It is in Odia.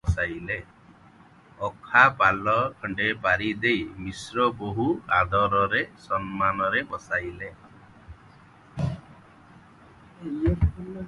ଅଖାପାଲ ଖଣ୍ଡେ ପାରି ଦେଇ ମିଶ୍ରଙ୍କୁ ବହୁ ଆଦର ସମ୍ମାନରେ ବସାଇଲେ ।